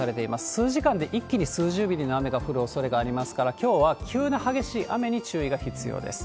数時間で一気に数十ミリの雨が降るおそれがありますから、きょうは急な激しい雨に注意が必要です。